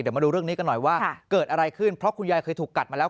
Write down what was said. เดี๋ยวมาดูเรื่องนี้กันหน่อยว่าเกิดอะไรขึ้นเพราะคุณยายเคยถูกกัดมาแล้ว